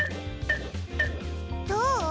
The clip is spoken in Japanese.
どう？